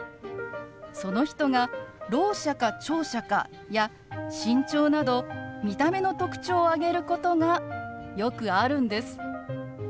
その人がろう者か聴者かや身長など見た目の特徴を挙げることがよくあるんです。